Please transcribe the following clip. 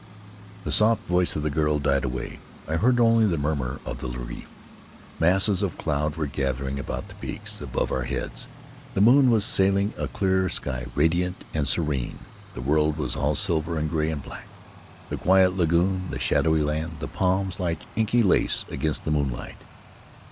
The soft voice of the girl died away — I heard only the murmur of the reef. Masses of cloud were gather ing about the peaks; above our heads, the moon was sailing a clear sky, radiant and serene. The world was all silver and gray and black — the quiet lagoon, the shadowy land, the palms like inky lace against the moonlight.